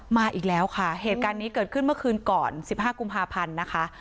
มาอีกแล้วค่ะเหตุการณ์นี้เกิดขึ้นเมื่อคืนก่อน๑๕กุมภาพันธ์นะคะ